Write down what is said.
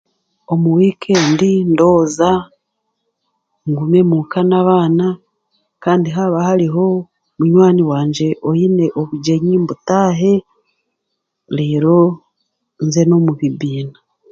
Omu wiikendi ndooza, ngume muka n'abaana, kandi haaba hariho munywani wangye oine obugyenyi, mbutaahe, reero nze n'omu bibiina.